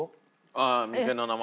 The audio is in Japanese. ああ店の名前？